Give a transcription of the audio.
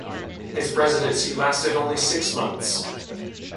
His presidency lasted only six months.